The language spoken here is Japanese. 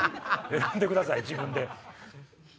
選んでください自分で。